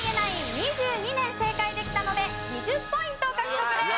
２２年正解できたので２０ポイント獲得です。